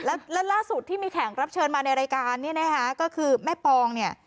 แล้วล่าสุดที่มีแขกรับเชิญมาในรายการเนี่ยนะคะก็คือแม่ปองเนี่ย